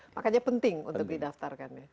makanya penting untuk didaftarkan ya